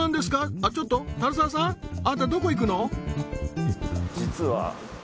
あちょっと足澤さんあなたどこ行くの？